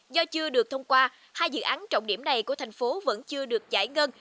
do chưa được thông qua hai dự án trọng điểm này của thành phố vẫn chưa được giải ngân